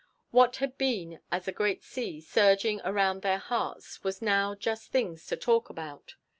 What had been as a great sea surging around their hearts was now just things to talk about.